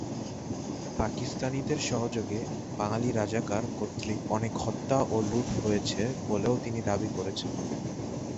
পাকিস্তানিদের সহযোগী বাঙালী রাজাকার কর্তৃক অনেক হত্যা ও লুঠ হয়েছে বলেও তিনি দাবি করেছেন।